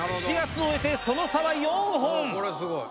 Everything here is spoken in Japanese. ７月を終えてその差は４本。